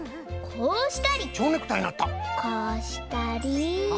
こうしたり。